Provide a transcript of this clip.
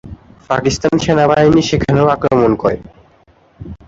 পাকিস্তানি সেনাবাহিনী সেখানেও আক্রমণ করে।